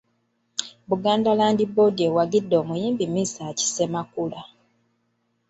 Buganda Land Board ewagidde omuyimbi Mesach Ssemakula.